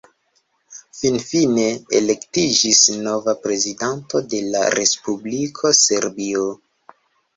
Finfine elektiĝis nova prezidanto de la respubliko Serbio.